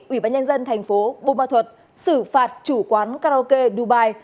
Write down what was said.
ủy ban nhân dân thành phố bùa ma thuật xử phạt chủ quán karaoke dubai